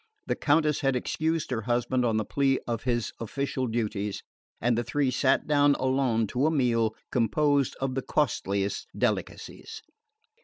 The Countess had excused her husband on the plea of his official duties, and the three sat down alone to a meal composed of the costliest delicacies.